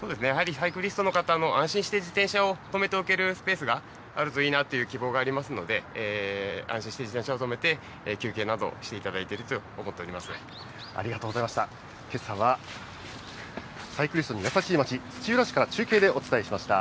そうですね、やはりサイクリストの方も、安心して自転車を止めておけるスペースがあるといいなという希望がありますので、安心して自転車を止めて、休憩などをしていただいていると思っておありがとうございました。